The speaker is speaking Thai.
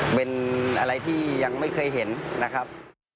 เป็นอะไรที่ยังไม่เคยเห็นนะครับ